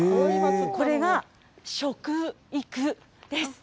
これが食育です。